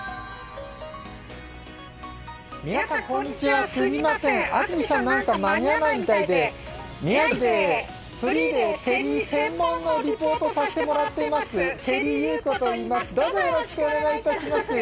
皆さんこんにちは、すみません、安住さん間に合わないみたいで宮城でフリーでセリ専門のリポートをさせてもらっています、芹ゆう子といいます、どうぞよろしくお願いします。